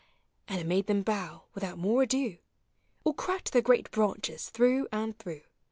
" And it made them bow without more ado. Or cracked their great branches through and through.